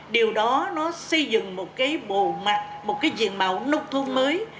điều đó nó xây dựng một cái bồ mặt một cái diện mạo nông thôn mới